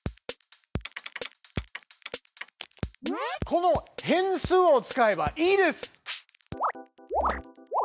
この「変数」を使えばいいです！